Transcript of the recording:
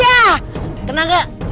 yah kena gak